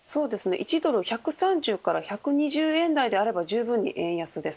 １ドル１３０から１２０円台であればじゅうぶんに円安です。